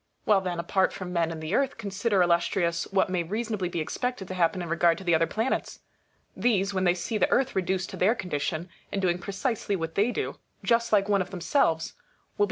Copernicus. Well, then, apart from men and the Earth, consider, Illustrious, what may reasonably be expected to happen in regard to the other planets. These, when they see the Earth reduced to their condition, and doing pre cisely what they do, just like one of themselves, will be 176 COPERNICUS.